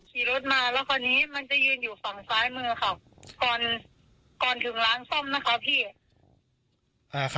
ขี่รถมาแล้วตอนนี้มันจะยืนอยู่ฝั่งซ้ายมือ